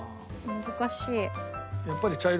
難しい。